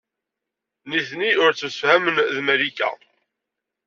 Nitni ur ttemsefhamen ed Malika.